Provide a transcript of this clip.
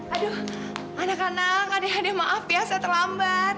aduh anak anak adek adek maaf ya saya terlambat